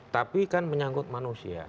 tapi kan menyangkut manusia